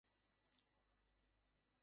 একটু সাহায্য লাগবে।